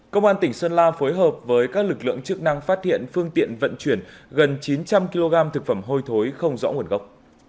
công an tỉnh sơn la phối hợp với các lực lượng chức năng phát hiện phương tiện vận chuyển gần chín trăm linh kg thực phẩm hôi thối không rõ nguồn gốc